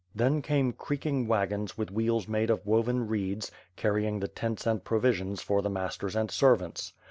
Then came creaking wagons with wheels made of woven reeds, canyin^ the tents and provisions for the masters and servants.